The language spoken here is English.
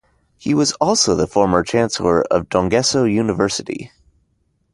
He was also the former Chancellor of Dongseo University.